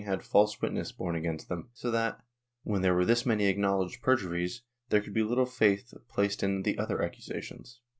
had false witness borne against them, so that, when there w^ere this many acknowledged perjuries, there could be little faith placed in the other accusations.